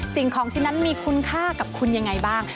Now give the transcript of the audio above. สิ่งของชิ้นนั้นมีคุณค่ากับคุณยังไงบ้าง